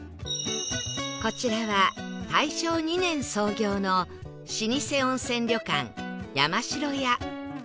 こちらは大正２年創業の老舗温泉旅館山城屋